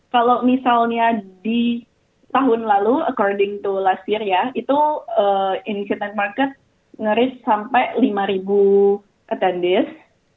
kalau misalnya di tahun lalu according to last year ya itu indonesia net market nge reach sampai lima attendees